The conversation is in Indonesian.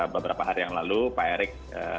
beberapa hari yang lalu pak erik